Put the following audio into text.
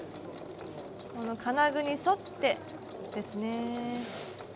この金具に沿ってですね。